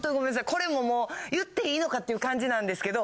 これももう言っていいのかっていう感じなんですけど。